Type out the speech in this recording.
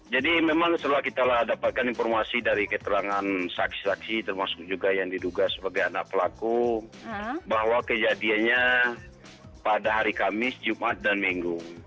jadi memang setelah kita dapatkan informasi dari keterangan saksi saksi termasuk juga yang diduga sebagai anak pelaku bahwa kejadiannya pada hari kamis jumat dan minggu